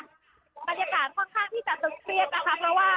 ต้นผ้าช่องค้าหมุนแดงบอกพี่ตามที่หน้าคุณสุนเตรียนนะคะเพราะว่า